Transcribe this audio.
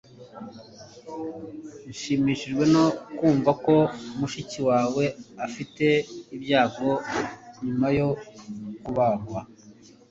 Nshimishijwe no kumva ko mushiki wawe afite ibyago nyuma yo kubagwa